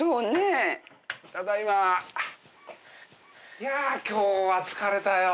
いや今日は疲れたよ。